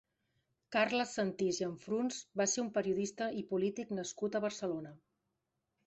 Carles Sentís i Anfruns va ser un periodista i polític nascut a Barcelona.